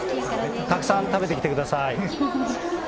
たくさん食べてきてください。